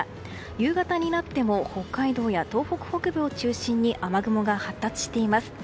夕方になっても北海道や東北北部を中心に雨雲が発達しています。